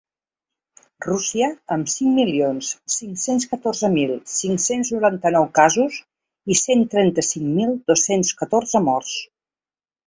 Rússia, amb cinc milions cinc-cents catorze mil cinc-cents noranta-nou casos i cent trenta-cinc mil dos-cents catorze morts.